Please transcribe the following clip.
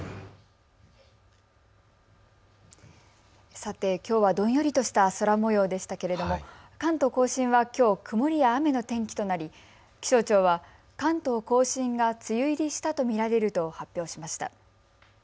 さて、きょうはどんよりとした空もようでしたけれども関東甲信はきょう曇りや雨の天気となり気象庁は関東甲信が梅雨入りしたと見られると発表しました。